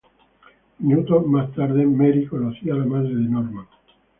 Minutos más tarde, Mary conoció a la madre de Norman.